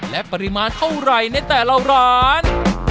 และปริมาณเท่าไหร่ในแต่ละร้าน